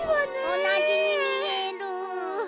おなじにみえる。